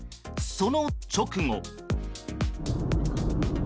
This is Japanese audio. その直後。